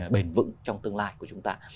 bền vững trong tương lai của chúng ta